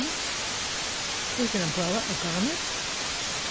B.—Is an umbrella a garment?